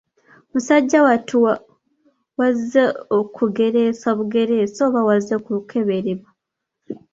Musajja wattu wazze kugereesa bugereesa oba wazze kukeberebwa?